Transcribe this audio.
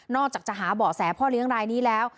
จากจะหาเบาะแสพ่อเลี้ยงรายนี้แล้ว